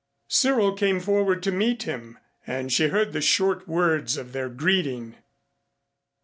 Cyril came forward to meet him, and she heard the short words of their greeting.